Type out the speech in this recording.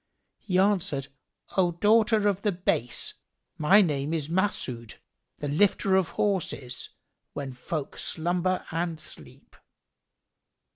He answered, "O daughter of the base, my name is Mas'ъd, the lifter of horses, when folk slumber and sleep."